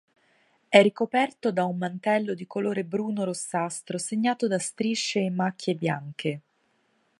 È ricoperto da un mantello di colore bruno-rossastro segnato da strisce e macchie bianche.